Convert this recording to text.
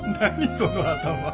その頭。